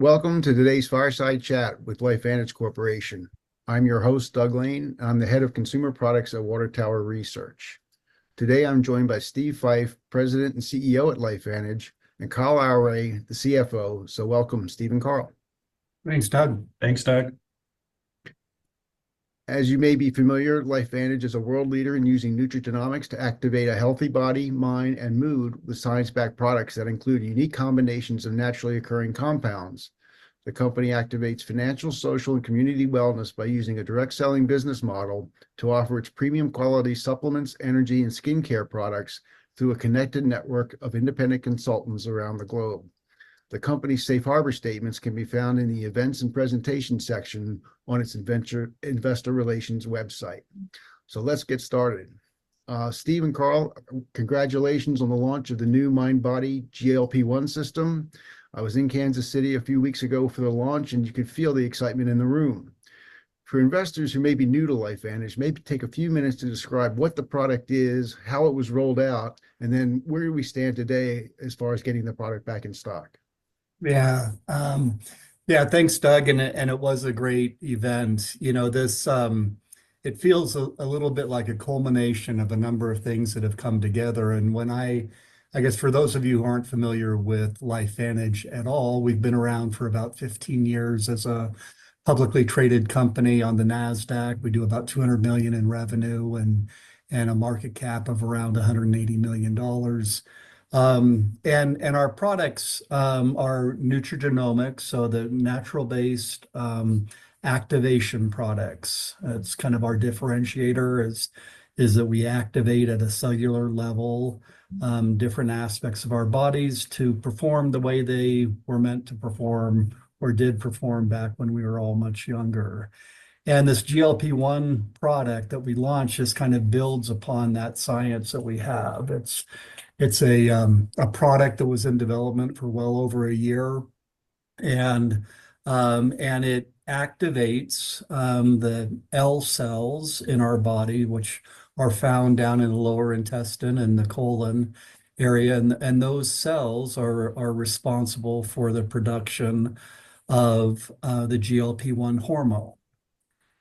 Welcome to today's Fireside Chat with LifeVantage Corporation. I'm your host, Doug Lane. I'm the Head of Consumer Products at Water Tower Research. Today I'm joined by Steve Fife, President and CEO at LifeVantage, and Carl Aure, the CFO. So welcome, Steve and Carl. Thanks, Doug. Thanks, Doug. As you may be familiar, LifeVantage is a world leader in using nutrigenomics to activate a healthy body, mind, and mood with science-backed products that include unique combinations of naturally occurring compounds. The company activates financial, social, and community wellness by using a direct-selling business model to offer its premium-quality supplements, energy, and skincare products through a connected network of independent consultants around the globe. The company's Safe Harbor statements can be found in the Events and Presentations section on its Investor Relations website. So let's get started. Steve and Carl, congratulations on the launch of the new MindBody GLP-1 System. I was in Kansas City a few weeks ago for the launch, and you could feel the excitement in the room. For investors who may be new to LifeVantage, maybe take a few minutes to describe what the product is, how it was rolled out, and then where we stand today as far as getting the product back in stock. Yeah. Yeah, thanks, Doug. And it was a great event. You know, it feels a little bit like a culmination of a number of things that have come together. And when I, I guess for those of you who aren't familiar with LifeVantage at all, we've been around for about 15 years as a publicly traded company on the Nasdaq. We do about $200 million in revenue and a market cap of around $180 million. And our products are nutrigenomics, so the natural-based activation products. That's kind of our differentiator, is that we activate at a cellular level different aspects of our bodies to perform the way they were meant to perform or did perform back when we were all much younger. And this GLP-1 product that we launched just kind of builds upon that science that we have. It's a product that was in development for well over a year, and it activates the L cells in our body, which are found down in the lower intestine and the colon area. And those cells are responsible for the production of the GLP-1 hormone.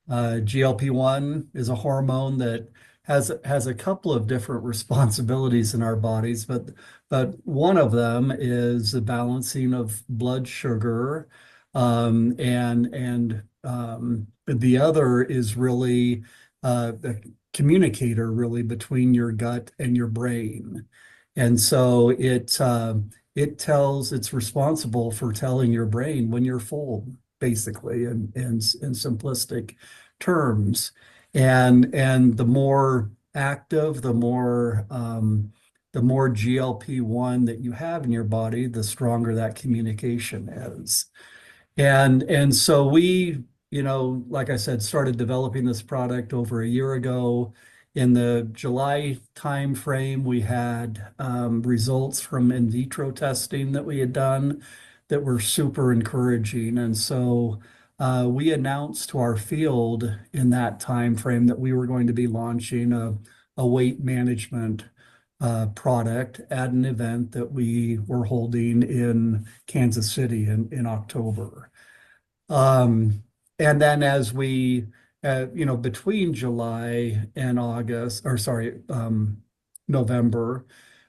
GLP-1 is a hormone that has a couple of different responsibilities in our bodies, but one of them is the balancing of blood sugar. And the other is really the communicator, really, between your gut and your brain. And so it tells, it's responsible for telling your brain when you're full, basically, in simplistic terms. And the more active, the more GLP-1 that you have in your body, the stronger that communication is. And so we, you know, like I said, started developing this product over a year ago. In the July timeframe, we had results from in vitro testing that we had done that were super encouraging. And so we announced to our field in that timeframe that we were going to be launching a weight management product at an event that we were holding in Kansas City in October. And then, as we, you know, between July and August, or sorry, November,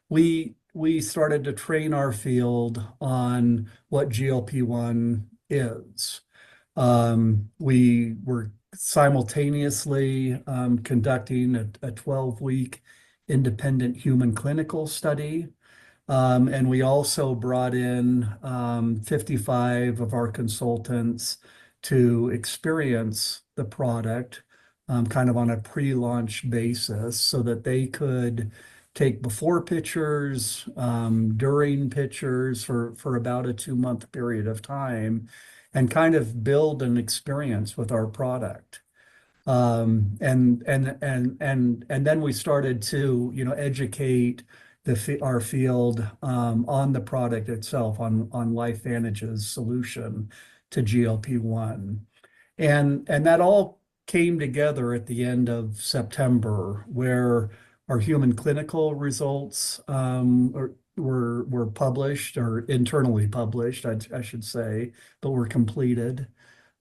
we started to train our field on what GLP-1 is. We were simultaneously conducting a 12-week independent human clinical study. And we also brought in 55 of our consultants to experience the product kind of on a pre-launch basis so that they could take before pictures, during pictures for about a two-month period of time and kind of build an experience with our product. And then we started to, you know, educate our field on the product itself, on LifeVantage's solution to GLP-1. That all came together at the end of September where our human clinical results were published or internally published, I should say, but were completed.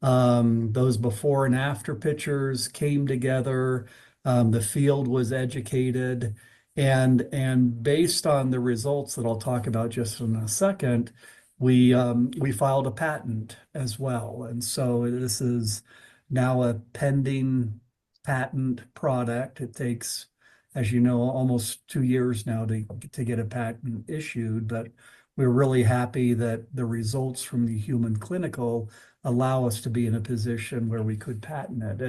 Those before and after pictures came together. The field was educated. And based on the results that I'll talk about just in a second, we filed a patent as well. And so this is now a pending patent product. It takes, as you know, almost two years now to get a patent issued. But we're really happy that the results from the human clinical allow us to be in a position where we could patent it.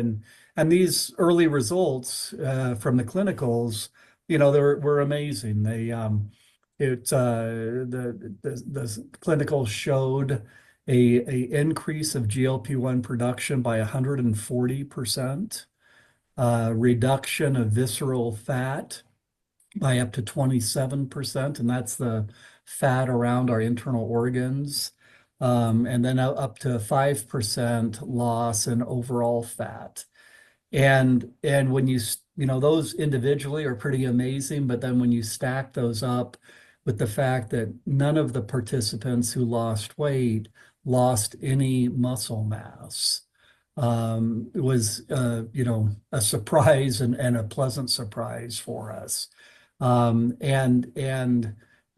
And these early results from the clinicals, you know, were amazing. The clinicals showed an increase of GLP-1 production by 140%, reduction of visceral fat by up to 27%, and that's the fat around our internal organs, and then up to 5% loss in overall fat. When you, you know, those individually are pretty amazing, but then when you stack those up with the fact that none of the participants who lost weight lost any muscle mass, it was, you know, a surprise and a pleasant surprise for us. You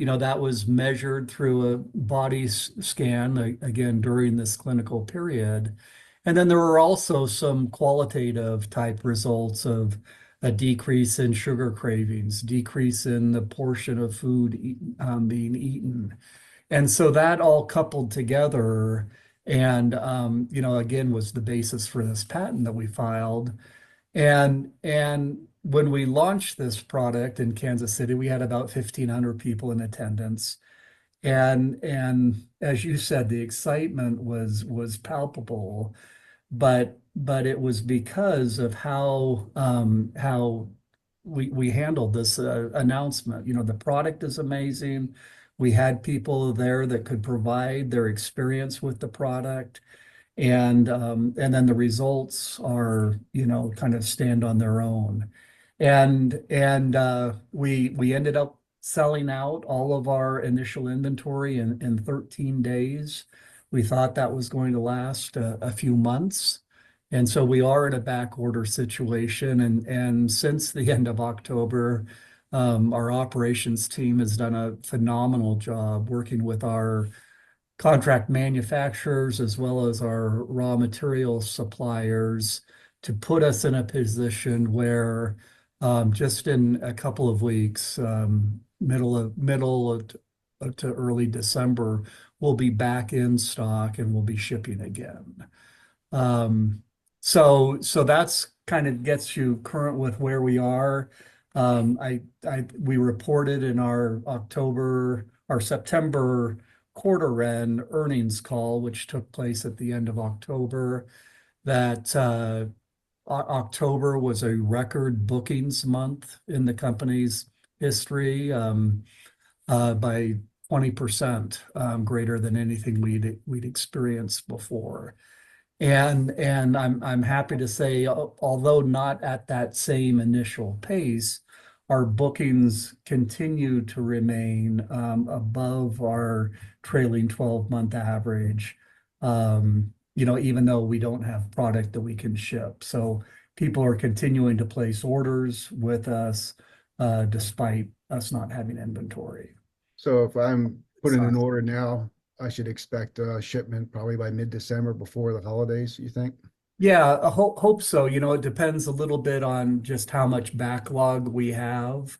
know, that was measured through a body scan, again, during this clinical period. Then there were also some qualitative-type results of a decrease in sugar cravings, decrease in the portion of food being eaten. So that all coupled together, and, you know, again, was the basis for this patent that we filed. When we launched this product in Kansas City, we had about 1,500 people in attendance. As you said, the excitement was palpable. It was because of how we handled this announcement. You know, the product is amazing. We had people there that could provide their experience with the product, and then the results are, you know, kind of stand on their own, and we ended up selling out all of our initial inventory in 13 days. We thought that was going to last a few months, and so we are in a backorder situation, and since the end of October, our operations team has done a phenomenal job working with our contract manufacturers as well as our raw material suppliers to put us in a position where just in a couple of weeks, middle of early December, we'll be back in stock and we'll be shipping again, so that kind of gets you current with where we are. We reported in our September quarter-end earnings call, which took place at the end of October, that October was a record bookings month in the company's history by 20% greater than anything we'd experienced before, and I'm happy to say, although not at that same initial pace, our bookings continue to remain above our trailing 12-month average, you know, even though we don't have product that we can ship, so people are continuing to place orders with us despite us not having inventory. If I'm putting an order now, I should expect shipment probably by mid-December before the holidays, you think? Yeah, I hope so. You know, it depends a little bit on just how much backlog we have.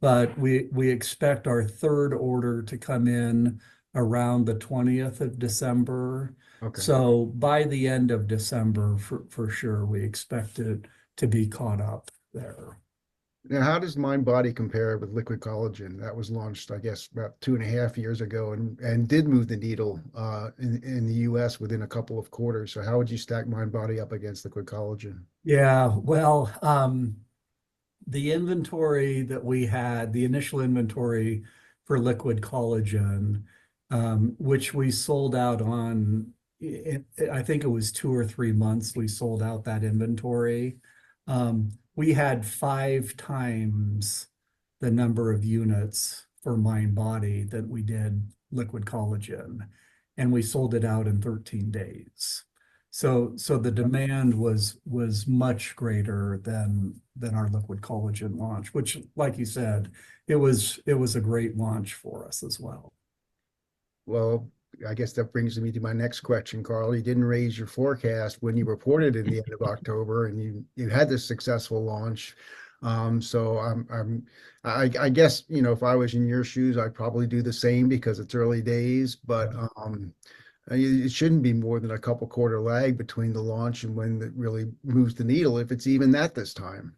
But we expect our third order to come in around the 20th of December. So by the end of December, for sure, we expect it to be caught up there. Now, how does MindBody compare with Liquid Collagen? That was launched, I guess, about two and a half years ago and did move the needle in the U.S. within a couple of quarters. So how would you stack MindBody up against Liquid Collagen? Yeah, well, the inventory that we had, the initial inventory for Liquid Collagen, which we sold out on. I think it was two or three months we sold out that inventory. We had five times the number of units for MindBody that we did Liquid Collagen. And we sold it out in 13 days. So the demand was much greater than our Liquid Collagen launch, which, like you said, it was a great launch for us as well. Well, I guess that brings me to my next question, Carl. You didn't raise your forecast when you reported in the end of October, and you had this successful launch. So I guess, you know, if I was in your shoes, I'd probably do the same because it's early days. But it shouldn't be more than a couple quarter-lag between the launch and when it really moves the needle if it's even that this time.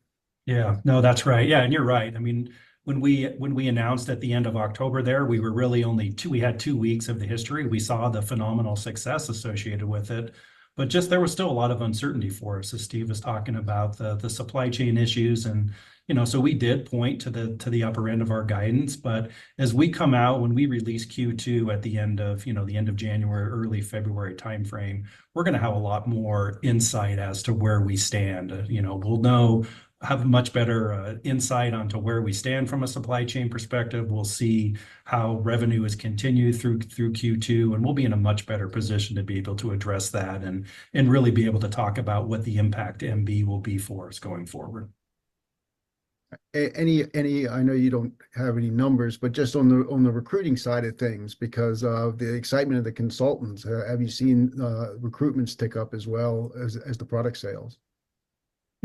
Yeah, no, that's right. Yeah, and you're right. I mean, when we announced at the end of October there, we were really only, we had two weeks of the history. We saw the phenomenal success associated with it. But just there was still a lot of uncertainty for us as Steve was talking about the supply chain issues. And, you know, so we did point to the upper end of our guidance. But as we come out, when we release Q2 at the end of, you know, the end of January, early February timeframe, we're going to have a lot more insight as to where we stand. You know, we'll know, have a much better insight onto where we stand from a supply chain perspective. We'll see how revenue has continued through Q2, and we'll be in a much better position to be able to address that and really be able to talk about what the impact MB will be for us going forward. I know you don't have any numbers, but just on the recruiting side of things, because of the excitement of the consultants, have you seen recruitments tick up as well as the product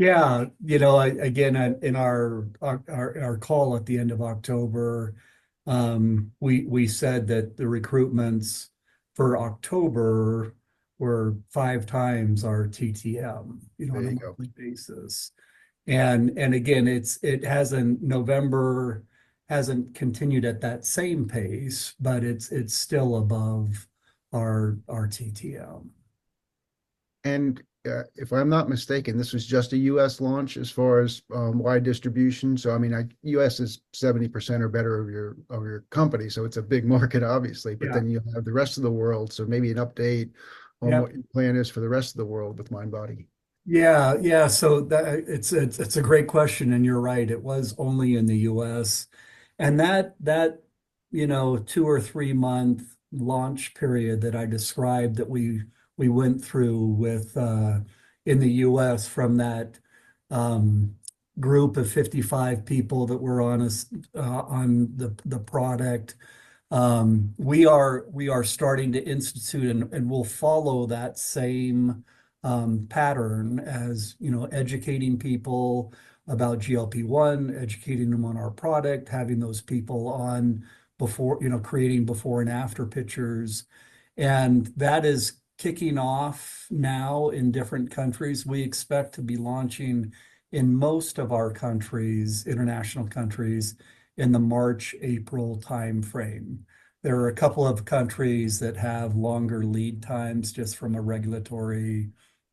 sales? Yeah, you know, again, in our call at the end of October, we said that the recruitments for October were five times our TTM, you know, on a weekly basis, and again, it hasn't continued at that same pace, but it's still above our TTM. If I'm not mistaken, this was just a U.S. launch as far as wide distribution. I mean, U.S. is 70% or better of your company. It's a big market, obviously. But then you have the rest of the world. Maybe an update on what your plan is for the rest of the world with MindBody. Yeah, yeah. So it's a great question. And you're right. It was only in the U.S. And that, you know, two or three-month launch period that I described that we went through with in the U.S. from that group of 55 people that were on the product, we are starting to institute and we'll follow that same pattern as, you know, educating people about GLP-1, educating them on our product, having those people on, you know, creating before and after pictures. And that is kicking off now in different countries. We expect to be launching in most of our countries, international countries, in the March-April timeframe. There are a couple of countries that have longer lead times just from a regulatory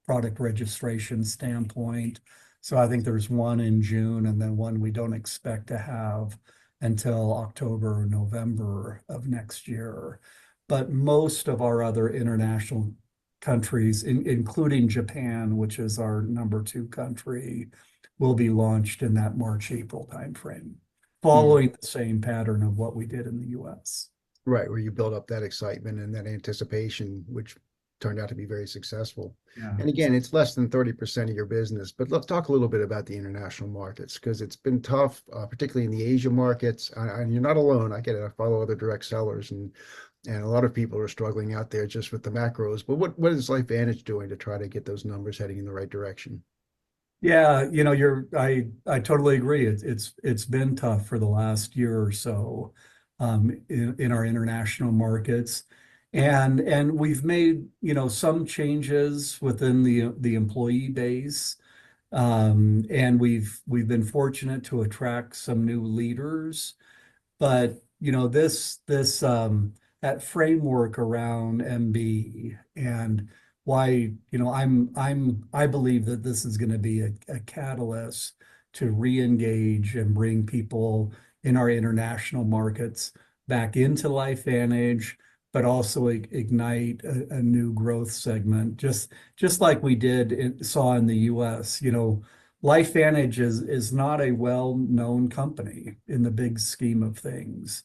product registration standpoint. So I think there's one in June and then one we don't expect to have until October or November of next year. But most of our other international countries, including Japan, which is our number two country, will be launched in that March-April timeframe, following the same pattern of what we did in the U.S. Right, where you build up that excitement and that anticipation, which turned out to be very successful, and again, it's less than 30% of your business. But let's talk a little bit about the international markets because it's been tough, particularly in the Asia markets, and you're not alone. I get it. I follow other direct sellers, and a lot of people are struggling out there just with the macros, but what is LifeVantage doing to try to get those numbers heading in the right direction? Yeah, you know, I totally agree. It's been tough for the last year or so in our international markets. And we've made, you know, some changes within the employee base. And we've been fortunate to attract some new leaders. But, you know, that framework around MB and why, you know, I believe that this is going to be a catalyst to reengage and bring people in our international markets back into LifeVantage, but also ignite a new growth segment, just like we did saw in the U.S. You know, LifeVantage is not a well-known company in the big scheme of things.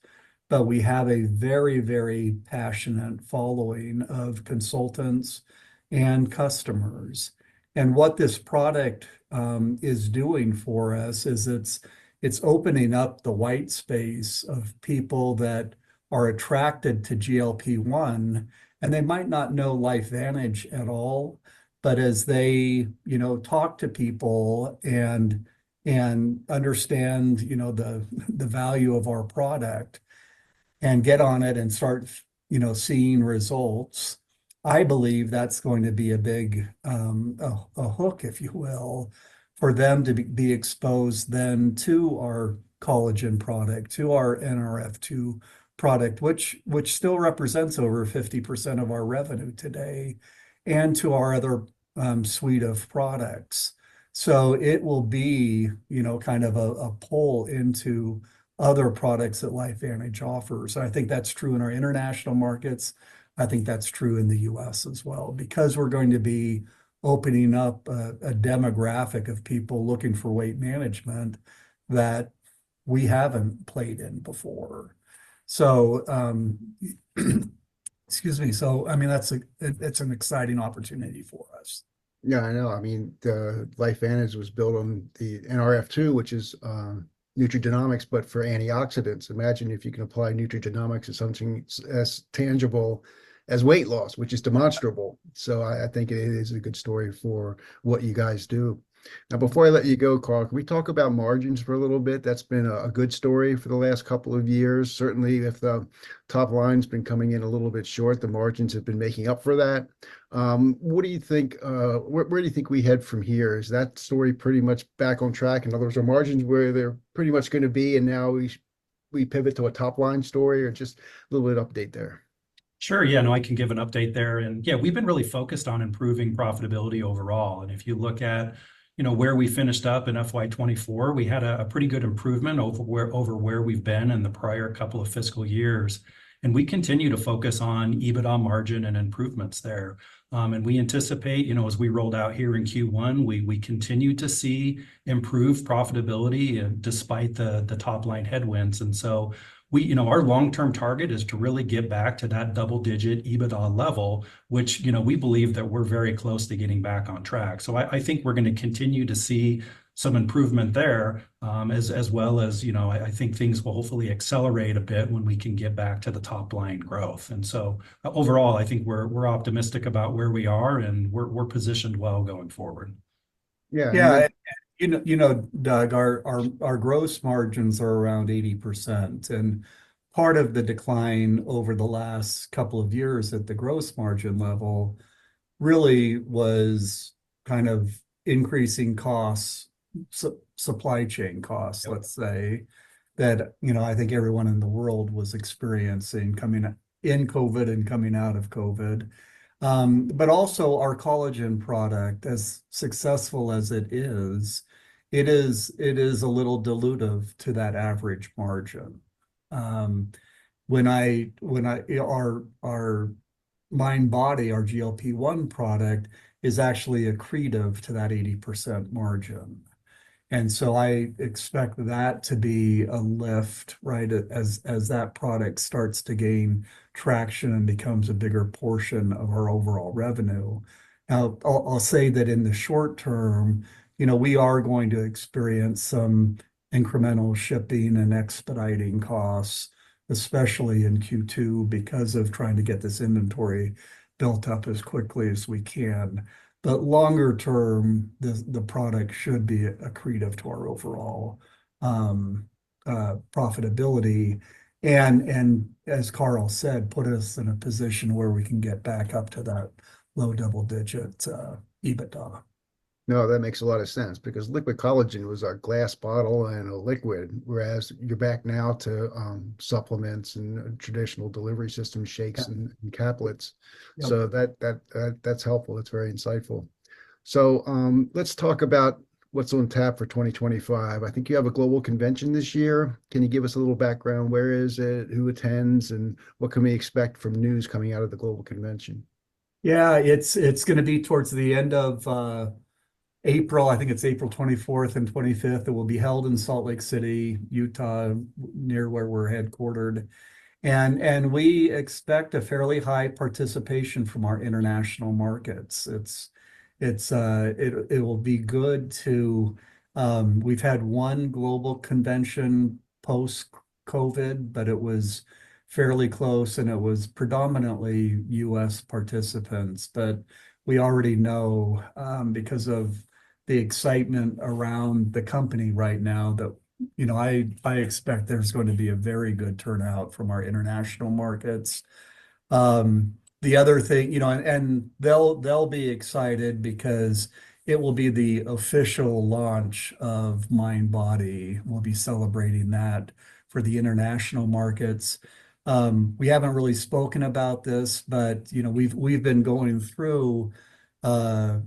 But we have a very, very passionate following of consultants and customers. And what this product is doing for us is it's opening up the white space of people that are attracted to GLP-1. And they might not know LifeVantage at all. But as they, you know, talk to people and understand, you know, the value of our product and get on it and start, you know, seeing results, I believe that's going to be a big hook, if you will, for them to be exposed then to our collagen product, to our Nrf2 product, which still represents over 50% of our revenue today, and to our other suite of products. So it will be, you know, kind of a pull into other products that LifeVantage offers. And I think that's true in our international markets. I think that's true in the U.S. as well, because we're going to be opening up a demographic of people looking for weight management that we haven't played in before. So, excuse me. So, I mean, it's an exciting opportunity for us. Yeah, I know. I mean, LifeVantage was built on the Nrf2, which is nutrigenomics, but for antioxidants. Imagine if you can apply nutrigenomics to something as tangible as weight loss, which is demonstrable. So I think it is a good story for what you guys do. Now, before I let you go, Carl, can we talk about margins for a little bit? That's been a good story for the last couple of years. Certainly, if the top line's been coming in a little bit short, the margins have been making up for that. What do you think, where do you think we head from here? Is that story pretty much back on track? In other words, are margins where they're pretty much going to be, and now we pivot to a top line story or just a little bit of update there? Sure. Yeah, no, I can give an update there. And yeah, we've been really focused on improving profitability overall. And if you look at, you know, where we finished up in FY 2024, we had a pretty good improvement over where we've been in the prior couple of fiscal years. And we continue to focus on EBITDA margin and improvements there. And we anticipate, you know, as we rolled out here in Q1, we continue to see improved profitability despite the top line headwinds. And so we, you know, our long-term target is to really get back to that double-digit EBITDA level, which, you know, we believe that we're very close to getting back on track. So I think we're going to continue to see some improvement there, as well as, you know, I think things will hopefully accelerate a bit when we can get back to the top line growth. Overall, I think we're optimistic about where we are and we're positioned well going forward. Yeah. Yeah. You know, Doug, our gross margins are around 80%. And part of the decline over the last couple of years at the gross margin level really was kind of increasing costs, supply chain costs, let's say, that, you know, I think everyone in the world was experiencing coming in COVID and coming out of COVID. But also our collagen product, as successful as it is, it is a little dilutive to that average margin. When our MindBody, our GLP-1 product, is actually accretive to that 80% margin. And so I expect that to be a lift, right, as that product starts to gain traction and becomes a bigger portion of our overall revenue. Now, I'll say that in the short term, you know, we are going to experience some incremental shipping and expediting costs, especially in Q2, because of trying to get this inventory built up as quickly as we can. But longer term, the product should be accretive to our overall profitability. And as Carl said, put us in a position where we can get back up to that low double-digit EBITDA. No, that makes a lot of sense because Liquid Collagen was our glass bottle and a liquid, whereas you're back now to supplements and traditional delivery systems, shakes, and caplets. So that's helpful. That's very insightful. So let's talk about what's on tap for 2025. I think you have a global convention this year. Can you give us a little background? Where is it? Who attends? And what can we expect from news coming out of the global convention? Yeah, it's going to be towards the end of April. I think it's April 24th and 25th. It will be held in Salt Lake City, Utah, near where we're headquartered. And we expect a fairly high participation from our international markets. It will be good too. We've had one global convention post-COVID, but it was fairly close and it was predominantly U.S. participants. But we already know because of the excitement around the company right now that, you know, I expect there's going to be a very good turnout from our international markets. The other thing, you know, and they'll be excited because it will be the official launch of MindBody. We'll be celebrating that for the international markets. We haven't really spoken about this, but, you know, we've been going through a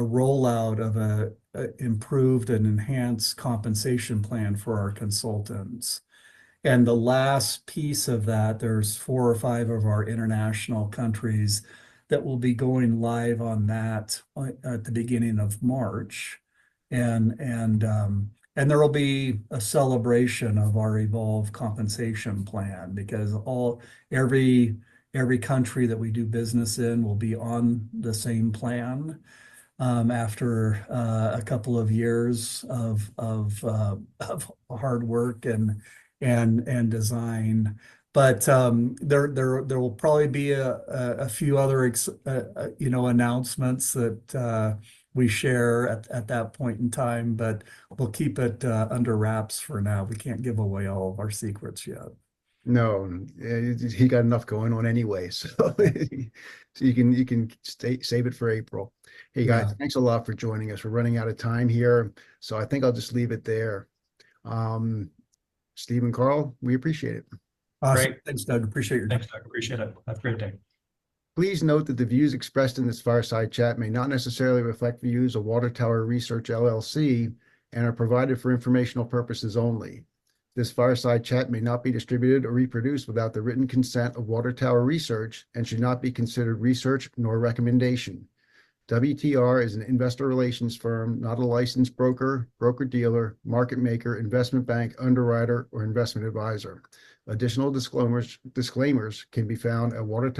rollout of an improved and enhanced compensation plan for our consultants. And the last piece of that, there's four or five of our international countries that will be going live on that at the beginning of March. And there will be a celebration of our Evolve Compensation Plan because every country that we do business in will be on the same plan after a couple of years of hard work and design. But there will probably be a few other, you know, announcements that we share at that point in time, but we'll keep it under wraps for now. We can't give away all of our secrets yet. No. He got enough going on anyway. So you can save it for April. Hey guys, thanks a lot for joining us. We're running out of time here. So I think I'll just leave it there. Steve and Carl, we appreciate it. Awesome. Thanks, Doug. Appreciate your time. Thanks, Doug. Appreciate it. Have a great day. Please note that the views expressed in this fireside chat may not necessarily reflect the views of Water Tower Research LLC and are provided for informational purposes only. This fireside chat may not be distributed or reproduced without the written consent of Water Tower Research and should not be considered research nor recommendation. WTR is an investor relations firm, not a licensed broker, broker-dealer, market maker, investment bank, underwriter, or investment advisor. Additional disclaimers can be found at Water.